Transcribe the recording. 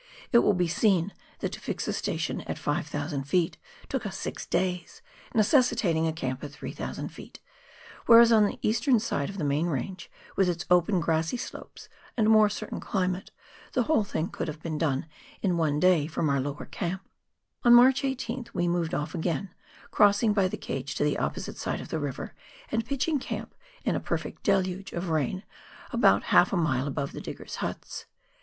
It will be seen that to fix a station, at 5,000 ft. took us six days, necessitating a camp at 3,000 feet, whereas on the eastern side of the main range, with its open grassy slopes and more certain climate, the whole thing could have been done in one day from our lower camp. On March 18th we moved ofi again, crossing by the cage to the opposite side of the river, and pitching camp, in a perfect deluge of rain, about half a mile above the diggers' huts.